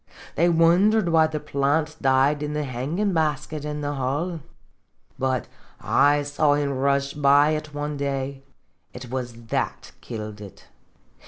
They wondered why the piant died in tne hangin' basket in the hall. 52 Simjefc But I saw him brush by it one day ; it was that killed it.